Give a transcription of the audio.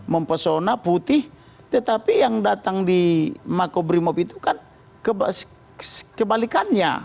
mempesona putih tetapi yang datang di makobrimob itu kan kebalikannya